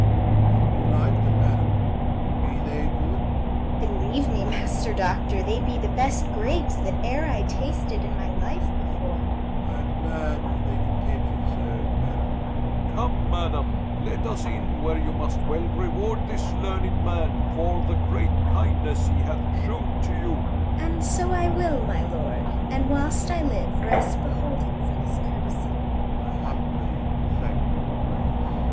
How do you like them, madam? be they good? DUCHESS. Believe me, Master Doctor, they be the best grapes that e'er I tasted in my life before. FAUSTUS. I am glad they content you so, madam. DUKE. Come, madam, let us in, where you must well reward this learned man for the great kindness he hath shewed to you. DUCHESS. And so I will, my lord; and, whilst I live, rest beholding for this courtesy. FAUSTUS. I humbly thank your grace. DUKE.